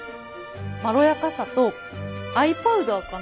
まろやかさと藍パウダーかな。